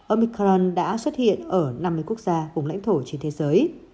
omicron đã xuất hiện ở năm mươi quốc gia vùng lãnh thổ trên thế giới